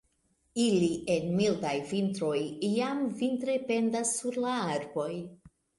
Ili en mildaj vintroj jam vintre pendas sur la arboj.